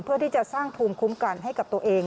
เพื่อที่จะสร้างภูมิคุ้มกันให้กับตัวเอง